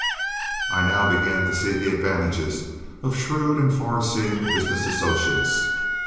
I now began to see the advantages of shrewd and far seeing business associates.